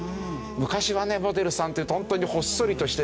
昔はねモデルさんっていうとホントにほっそりとしてるでしょ？